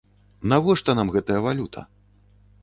Навошта нам гэтая валюта?